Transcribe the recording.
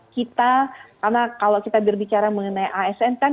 karena kalau kita berbicara mengenai asn kan